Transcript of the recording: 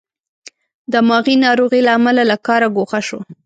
دماغې ناروغۍ له امله له کاره ګوښه شو.